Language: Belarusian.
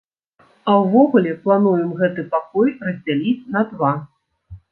А ўвогуле, плануем гэты пакой раздзяліць на два.